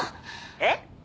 えっ？